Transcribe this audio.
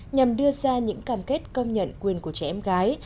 nhằm đưa ra những cam kết công nhận quyền của trẻ em gái